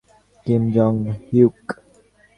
Kim Jong হিউক?